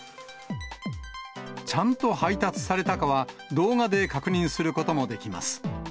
ちゃんと配達されたかは、動画で確認することもできます。